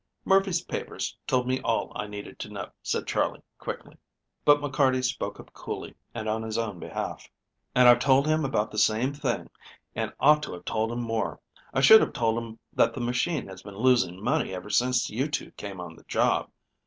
"Murphy's papers told me all I needed to know," said Charley quickly, but McCarty spoke up coolly and on his own behalf: "And I've told him about the same thing, and ought to have told him more. I should have told him that the machine has been losing money ever since you two came on the job.